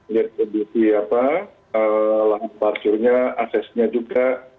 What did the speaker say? lihat kondisi apa lantai parkirnya asesnya juga